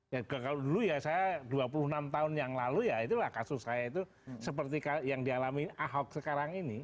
ya kalau dulu ya saya dua puluh enam tahun yang lalu ya itulah kasus saya itu seperti yang dialami ahok sekarang ini